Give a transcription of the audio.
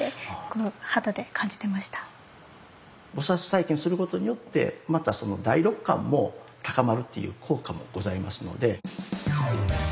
菩体験をすることによってまた第六感も高まるっていう効果もございますので。